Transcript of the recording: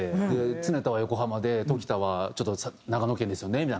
で「常田は横浜で常田は長野県ですよね」